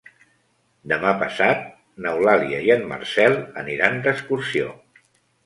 Demà passat n'Eulàlia i en Marcel aniran d'excursió.